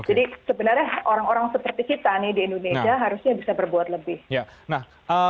jadi sebenarnya orang orang seperti kita nih di indonesia harusnya bisa berbuat lebih